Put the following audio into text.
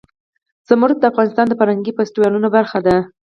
زمرد د افغانستان د فرهنګي فستیوالونو برخه ده.